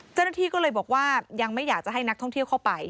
เจ้าหน้าที่ก็เลยบอกว่ายังไม่อยากจะให้นักท่องเที่ยวเข้าไป